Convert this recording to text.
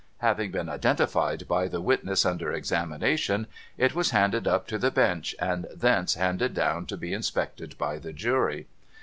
Having been identified by the witness under examination, it was handed up to the Bench, and thence handed down to be inspected by the Jury.